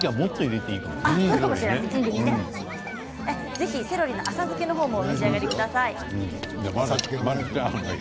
ぜひセロリの浅漬けも召し上がってください。